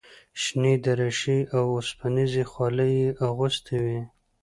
شنې دریشۍ او اوسپنیزې خولۍ یې اغوستې وې.